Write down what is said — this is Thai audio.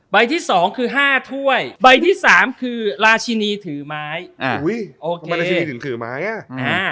ใบที่สองคือ๕ถ้วยใบที่สามคือราชินีถือไม้อุ้ยโอเคราชินีถือไม้อะ